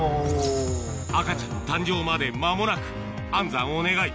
赤ちゃんの誕生まで間もなく安産を願い